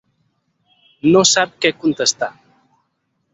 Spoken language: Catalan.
No sap què contestar.